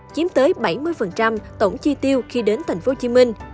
chiếm tới bảy mươi tổng chi tiêu khi đến thành phố hồ chí minh